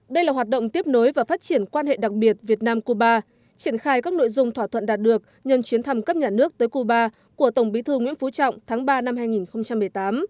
đây là hoạt động tiếp nối và phát triển quan hệ đặc biệt việt nam cuba triển khai các nội dung thỏa thuận đạt được nhân chuyến thăm cấp nhà nước tới cuba của tổng bí thư nguyễn phú trọng tháng ba năm hai nghìn một mươi tám